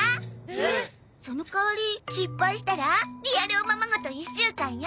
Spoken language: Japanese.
そのかわり失敗したらリアルおままごと１週間よ！